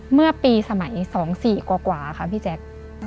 เมื่อปีสมัย๒๔กว่าค่ะพี่แจ๊ค